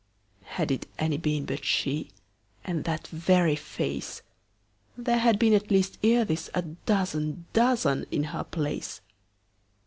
Had it any been but she, And that very face, There had been at least ere thisA dozen dozen in her place.